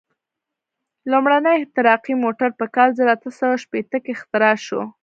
لومړنی احتراقي موټر په کال زر اته سوه شپېته کې اختراع شو.